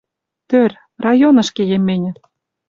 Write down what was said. — Тӧр. Районыш кеем мӹньӹ.